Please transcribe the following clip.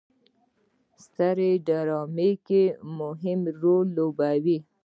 سترې ډرامه کې مهم رول ولوبوي.